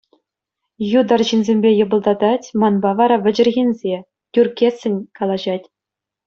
Ют арҫынсемпе йӑпӑлтатать, манпа вара вӗчӗрхенсе, тӳрккессӗн калаҫать.